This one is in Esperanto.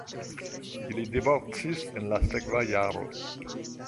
Ili divorcis en la sekva jaro.